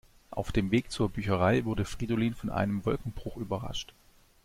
Auf dem Weg zur Bücherei wurde Fridolin von einem Wolkenbruch überrascht.